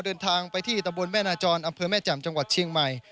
เดินทางไปที่ตะบนแม่นาจรอำเภอแม่แจ่มจังหวัดเชียงใหม่